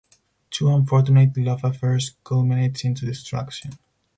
Two unfortunate love affairs culminates into destruction.